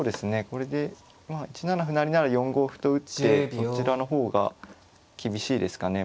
これでまあ１七歩成なら４五歩と打ってそちらの方が厳しいですかね。